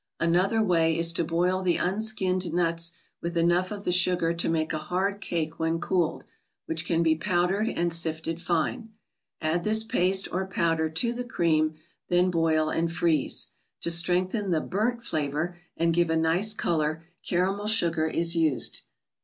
Another Way is to boil the unskinned nuts with enough of the sugar to make a hard cake when cooled, which can be powdered and sifted fine. Add this paste or powder to the cream, then boil and freeze. To strengthen the " burnt " flavor and give a nicer color, caramel sugar is used.